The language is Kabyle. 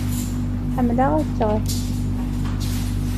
Ḥemmleɣ ad ččeɣ aksum.